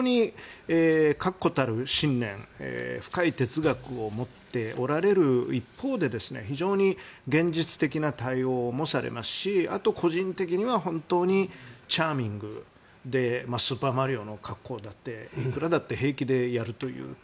確固たる信念深い哲学を持っておられる一方で非常に現実的な対応もされますしあと、個人的には本当にチャーミングでスーパーマリオの格好だって平気でやるというような。